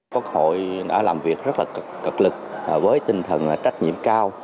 quốc hội đã làm việc rất là cực lực với tinh thần trách nhiệm cao